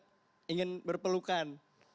semua mendadak ingin berpelukan